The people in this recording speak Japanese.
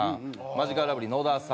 マヂカルラブリー野田さん。